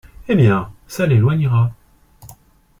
Eh ! bien, ça l’éloignera.